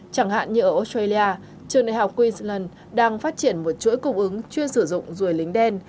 chẳng hạn như ở australia trường đại học queensland đang phát triển một chuỗi cung ứng chuyên sử dụng ruồi lính đen